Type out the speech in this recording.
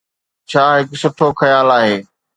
ڇا هڪ سٺو خيال آهي.